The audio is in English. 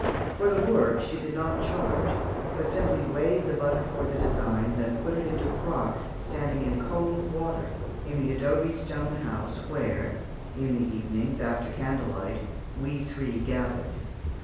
For the work, she did not charge, but simply weighed the butter for the designs and put it into crocks standing in cold water in the adobe store house where, in the evenings, after candle light, we three gathered.